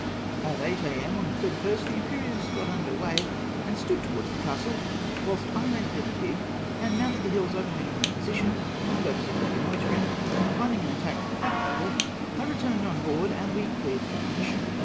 At 8 A.M. on the 31st the Imperieuse got under weigh, and stood towards the castle, whilst I landed in the gig, and mounted the hills overhanging the position, for the purpose of reconnoitring ; finding an attack practicable, I returned on board, and we cleared for action.